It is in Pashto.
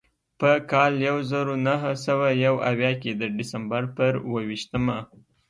په کال یو زر نهه سوه یو اویا کې د ډسمبر پر اوه ویشتمه.